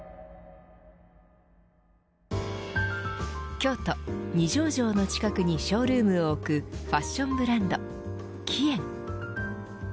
京都、二条城の近くにショールームを置くファッションブランド季縁。